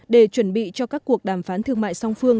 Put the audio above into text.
để chuẩn bị cho các cuộc đàm phán thương mại song phương